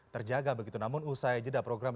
terjaga begitu namun usai jeda program